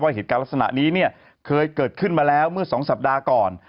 เหตุการณ์ลักษณะนี้เนี่ยเคยเกิดขึ้นมาแล้วเมื่อ๒สัปดาห์ก่อน